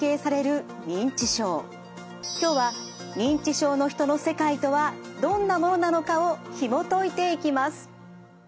今日は認知症の人の世界とはどんなものなのかをひもといていきます。